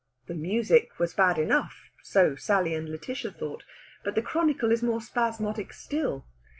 The music was bad enough so Sally and Lætitia thought but the chronicle is more spasmodic still.